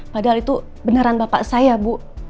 padahal itu beneran bapak saya bu